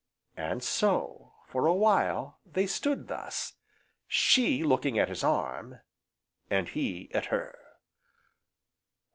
And so, for a while, they stood thus, she looking at his arm, and he at her.